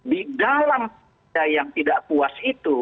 di dalam yang tidak puas itu